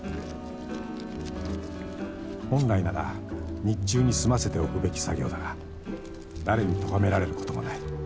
［本来なら日中に済ませておくべき作業だが誰にとがめられることもない］